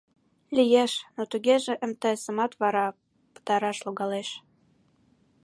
Лиеш, но тугеже МТС-ымат вара пытараш логалеш.